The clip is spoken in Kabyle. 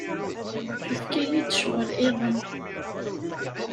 Yefka-yi-d ccɣel-iḍen.